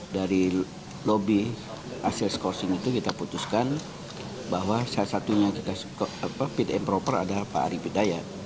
dari lobby hasil skorsing itu kita putuskan bahwa salah satunya kita fit and proper adalah pak arief hidayat